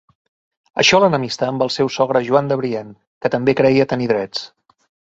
Això l'enemistà amb el seu sogre Joan de Brienne, que també creia tenir drets.